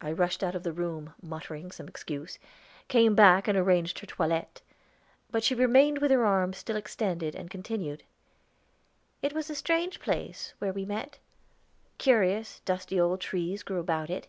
I rushed out of the room, muttering some excuse, came back and arranged her toilette; but she remained with her arm still extended, and continued: "It was a strange place where we met; curious, dusty old trees grew about it.